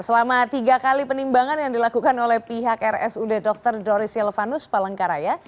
selama tiga kali penimbangan yang dilakukan oleh pihak rsud dr doris yelvanus palangkaraya